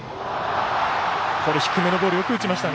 この低めのボールよく打ちました。